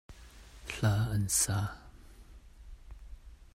Hla an sa.